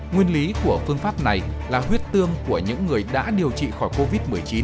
nguyên lý của phương pháp này là huyết tương của những người đã điều trị khỏi covid một mươi chín